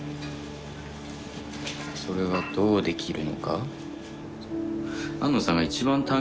それはどうできるのか。